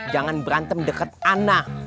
jangan berantem deket ana